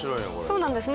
そうなんですね。